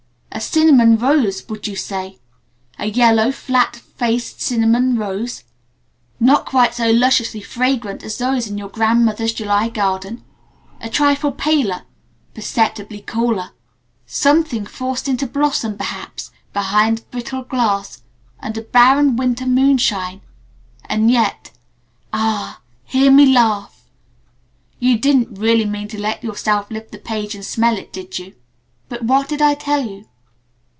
A cinnamon rose, would you say a yellow, flat faced cinnamon rose? Not quite so lusciously fragrant as those in your grandmother's July garden? A trifle paler? Perceptibly cooler? Something forced into blossom, perhaps, behind brittle glass, under barren winter moonshine? And yet A h h! Hear me laugh! You didn't really mean to let yourself lift the page and smell it, did you? But what did I tell you?